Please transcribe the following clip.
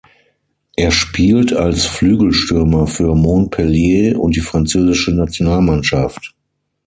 Er spielt als Flügelstürmer für Montpellier und die französische Nationalmannschaft.